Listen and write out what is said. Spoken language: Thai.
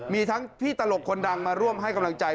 มีทั้งพี่ตลกคนดังมาร่วมให้กำลังใจ